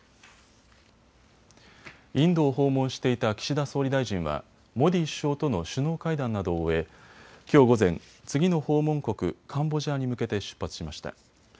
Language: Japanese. インドを訪問していた岸田総理大臣はモディ首相との首脳会談などを終え、きょう午前、次の訪問国、カンボジアに向けて出発しました。